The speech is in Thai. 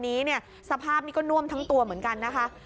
นี้เนี่ยสภาพนี้ก็น่วมทั้งตัวเหมือนกันนะคะ